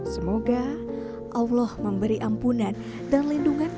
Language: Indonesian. semoga allah memberi ampunan dan lindungan